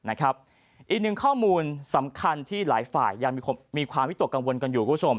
อีกหนึ่งข้อมูลสำคัญที่หลายฝ่ายยังมีความวิตกกังวลกันอยู่คุณผู้ชม